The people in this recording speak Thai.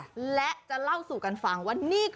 และจะเล่าสู่กันฟังว่านี่คือ